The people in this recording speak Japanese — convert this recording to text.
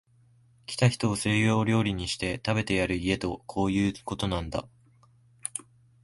来た人を西洋料理にして、食べてやる家とこういうことなんだ